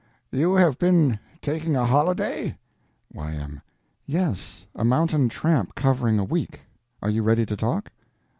You have been taking a holiday? Y.M. Yes; a mountain tramp covering a week. Are you ready to talk?